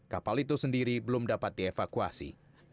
kapal itu sendiri belum dapat dievakuasi